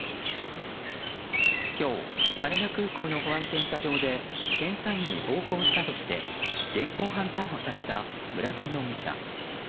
今日、羽田空港の保安検査場で検査員に暴行したとして現行犯逮捕された村田容疑者。